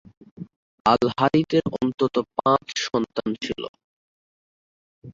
আল-হারিথের অন্তত পাঁচ সন্তান ছিল।